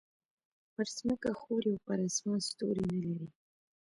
پر ځمکه ښوری او پر اسمان ستوری نه لري.